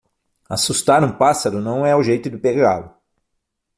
Assustar um pássaro não é o jeito de pegá-lo.